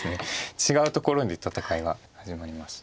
違うところで戦いが始まりました。